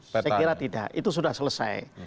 saya kira tidak itu sudah selesai